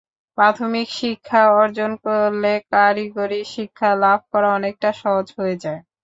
প্রাথমিক শিক্ষা অর্জন করলে কারিগরি শিক্ষা লাভ করা অনেকটা সহজ হয়ে যায়।